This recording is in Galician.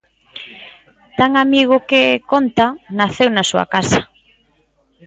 Tan amigo que, conta, naceu na súa casa.